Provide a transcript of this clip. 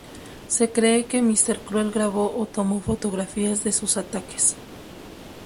Se cree que Mr Cruel grabó o tomó fotografías de sus ataques.